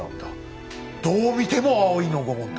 どう見ても葵のご紋だ。